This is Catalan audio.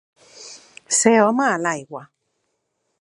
Ser home a l'aigua.